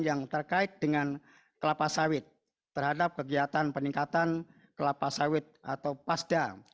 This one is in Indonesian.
yang terkait dengan kelapa sawit terhadap kegiatan peningkatan kelapa sawit atau pasda